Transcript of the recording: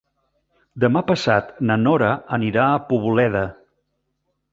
Demà passat na Nora anirà a Poboleda.